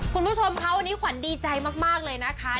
คุณผู้ชมคะวันนี้ขวัญดีใจมากเลยนะคะ